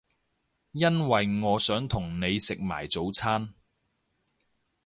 因為我想同你食埋早餐